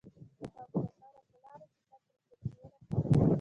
د هغو كسانو په لار چي تا پرې پېرزوينه كړې